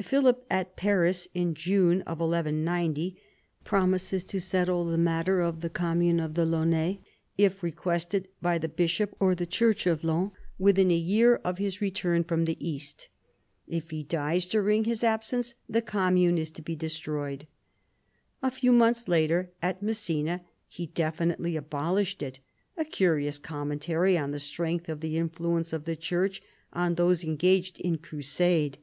Philip at Paris, in June 1190, promises to settle the matter of the commune of the Laonnais if requested by the bishop or the Church of Laon within a year of his 144 PHILIP AUGUSTUS chap. return from the East. If he dies during his absence the commune is to be destroyed. A few months later, at Messina, he definitely abolished it — a curious com mentary on the strength of the influence of the Church on those engaged in crusade.